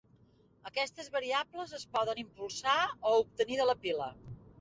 Aquestes variables es poden impulsar o obtenir de la pila.